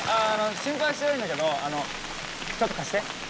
心配してないんだけどあのちょっと貸して。